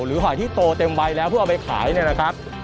หรือหอยที่โตเต็มไว้แล้วเพื่อเอาไปขายนะครับ